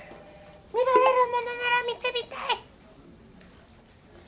「見られるものなら見てみたい！」